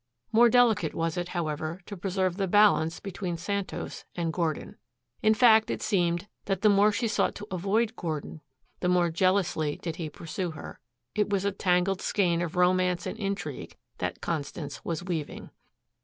More delicate was it, however, to preserve the balance between Santos and Gordon. In fact it seemed that the more she sought to avoid Gordon, the more jealously did he pursue her. It was a tangled skein of romance and intrigue that Constance was weaving.